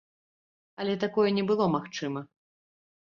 Але такое не было магчыма.